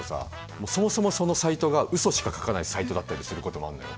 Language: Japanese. もうそもそもそのサイトがうそしか書かないサイトだったりすることもあんのよ。